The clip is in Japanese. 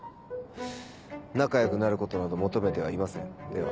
仲良くなることなど求めてはいませんでは。